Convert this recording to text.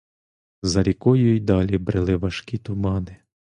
За рікою й далі брели важкі тумани.